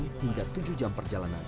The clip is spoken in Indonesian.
nam hingga r youtube j student